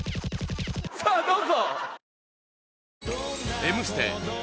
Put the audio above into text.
さあどうぞ！